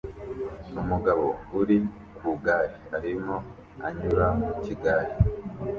Umugabo uri ku igare arimo anyura mu gikari